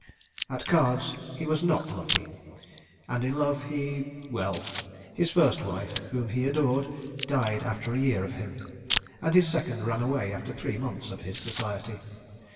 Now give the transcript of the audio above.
At cards he was not lucky—and in love he ... well—his first wife, whom he adored, died after a year of him; and his second ran away after three months of his society.